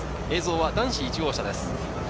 映像は男子１号車です。